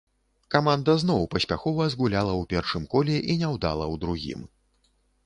Каманда зноў паспяхова згуляла ў першым коле і няўдала ў другім.